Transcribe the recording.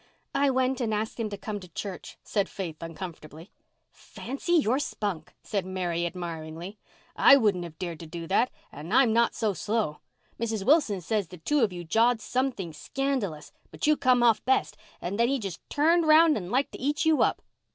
"I went and asked him to come to church," said Faith uncomfortably. "Fancy your spunk!" said Mary admiringly. "I wouldn't have dared do that and I'm not so slow. Mrs. Wilson says the two of you jawed something scandalous, but you come off best and then he just turned round and like to eat you up.